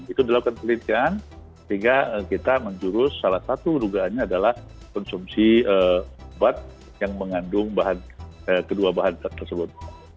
itu dilakukan pelitian sehingga kita menjurus salah satu dugaannya adalah konsumsi obat yang mengandung bahan kedua bahan tersebut